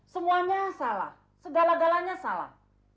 semuanya salah segala galanya salah